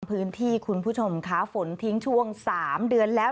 คุณผู้ชมค่ะฝนทิ้งช่วง๓เดือนแล้ว